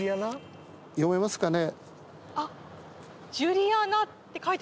読めますかね？